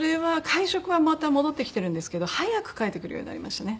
会食はまた戻ってきてるんですけど早く帰ってくるようになりましたね。